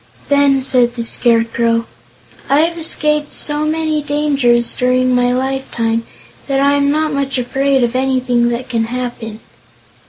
Then said the Scarecrow: "I have escaped so many dangers, during my lifetime, that I am not much afraid of anything that can happen."